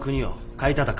買いたたく！